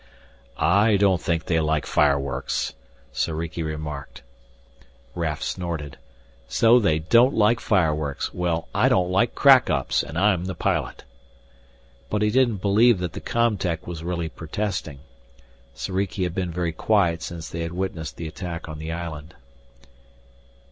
"I don't think they like fireworks," Soriki remarked. Raf snorted. "So they don't like fireworks! Well, I don't like crack ups, and I'm the pilot!" But he didn't believe that the com tech was really protesting. Soriki had been very quiet since they had witnessed the attack on the island.